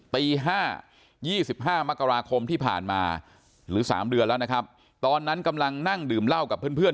๕๒๕มกราคมที่ผ่านมาหรือ๓เดือนแล้วนะครับตอนนั้นกำลังนั่งดื่มเหล้ากับเพื่อน